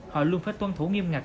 họ luôn phải tuân thủ nghiêm ngặt